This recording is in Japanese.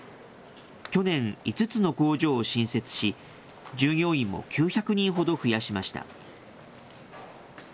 去年、５つの工場を新設し、従業員も９００人ほど増やしました。